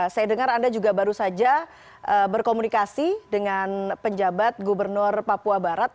saya dengar anda juga baru saja berkomunikasi dengan penjabat gubernur papua barat